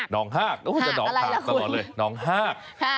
นองฮากฮากอะไรละคุณนองฮาก